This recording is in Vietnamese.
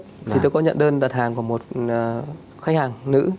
cách đây gần một mươi năm trước thì tôi có nhận đơn đặt hàng của một khách hàng nữ